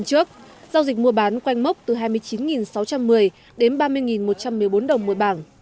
giao dịch mua bán quanh mốc từ hai mươi chín sáu trăm một mươi đến ba mươi một trăm một mươi bốn đồng một bảng